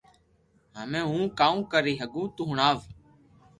ھمي ھو ڪاو ڪري ھگو تو ھڻاو